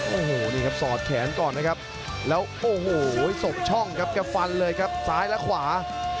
โอ้โหนี่ครับสอดแขนก่อนนะครับแล้วโอ้โหสบช่องครับแกฟันเลยครับซ้ายและขวา